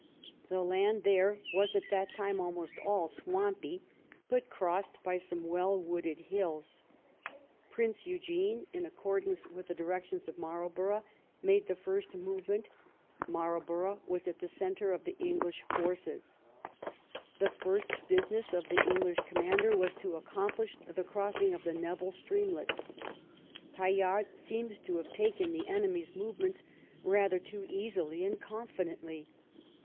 The land there was at that time almost all swampy, but crossed by some well wooded hills. Prince Eugene, in accordance 114 i( THE CAMPAIGN"— BLENHEIM with the directions of Marlborough, made the first moYement. Marlborough was at the centre of the Eng lish forces. The first business of the English com mander was to accomplish the crossing of the Nebel streamlet Tallard seems to have taken the enemies' movements rather too easily and confidently.